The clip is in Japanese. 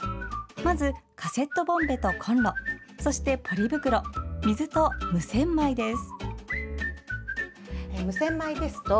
まず、カセットボンベとコンロそしてポリ袋、水と無洗米です。